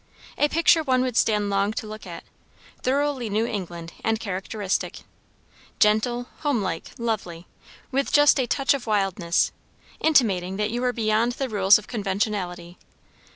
A picture one would stand long to look at; thoroughly New England and characteristic; gentle, homelike, lovely, with just a touch of wildness, intimating that you were beyond the rules of conventionality.